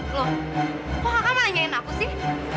loh kok kakak nanyain aku sih